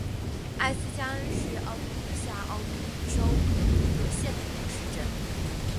艾斯加恩是奥地利下奥地利州格明德县的一个市镇。